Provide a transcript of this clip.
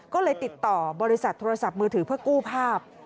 ก็เลยติดต่อบริษัทโทรศัพท์มือถือเพื่อกู้ภาพ